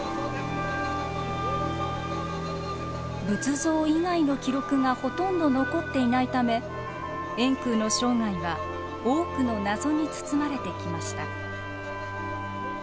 仏像以外の記録がほとんど残っていないため円空の生涯は多くの謎に包まれてきました。